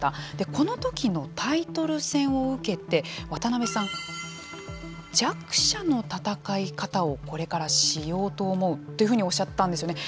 この時のタイトル戦を受けて渡辺さん、弱者の戦い方をこれからしようと思うというふうにおっしゃったんですよね。